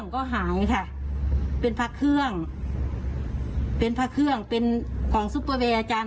โดยหลักคือเงิน๕หมื่นบาท